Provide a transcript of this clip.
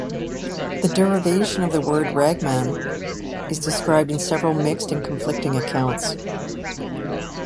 The derivation of the word ragman is described in several mixed and conflicting accounts.